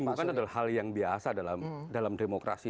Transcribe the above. ketersinggungan adalah hal yang biasa dalam demokrasi